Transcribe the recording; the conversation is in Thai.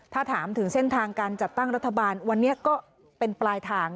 ถ้าถามถึงเส้นทางการจัดตั้งรัฐบาลวันนี้ก็เป็นปลายทาง